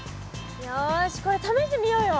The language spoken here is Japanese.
よしこれ試してみようよ。